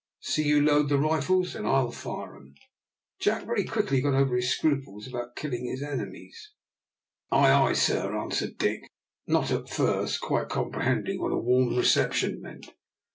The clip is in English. See you load the rifles and I'll fire them." Jack very quickly got over his scruples about killing his enemies. "Ay, ay, sir," answered Dick, not at first quite comprehending what a warm reception meant.